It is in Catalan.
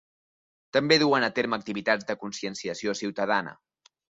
També duen a terme activitats de conscienciació ciutadana.